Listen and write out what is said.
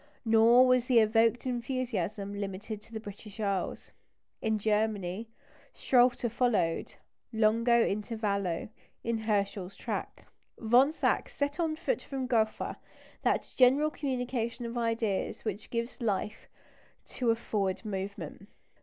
Nor was the evoked enthusiasm limited to the British Isles. In Germany, Schröter followed longo intervallo in Herschel's track. Von Zach set on foot from Gotha that general communication of ideas which gives life to a forward movement.